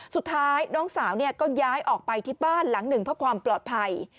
สุดท้ายน้องสาวก็ย้ายออกไปที่บ้านหลังหนึ่งเพื่อความปลอดภัย